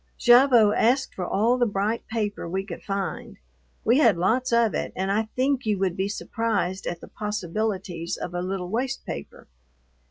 Gavotte asked for all the bright paper we could find. We had lots of it, and I think you would be surprised at the possibilities of a little waste paper.